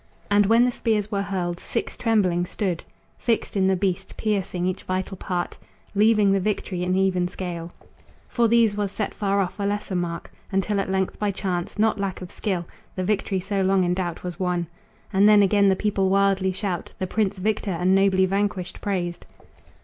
And when the spears were hurled, six trembling stood Fixed in the beast, piercing each vital part, Leaving the victory in even scale. For these was set far off a lesser mark, Until at length by chance, not lack of skill, The victory so long in doubt was won. And then again the people wildly shout, The prince victor and nobly vanquished praised.